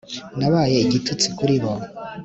nabaye igitutsi kuri bo